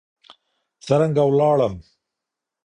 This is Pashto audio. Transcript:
څرنګه ولاړم